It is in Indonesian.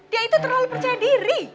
dia itu terlalu percaya diri